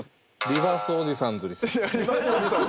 「リバースおじさんズ」。